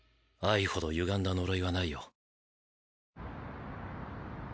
愛ほどゆがんだ呪いはないよ。